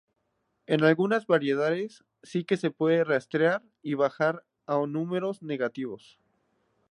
En algunas variedades, sí que se puede restar y bajar a números negativos.